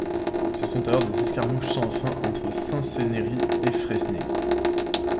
Ce sont alors des escarmouches sans fin entre Saint-Céneri, et Fresnay.